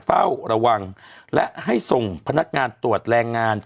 เฝ้าระวังและให้ส่งพนักงานตรวจแรงงาน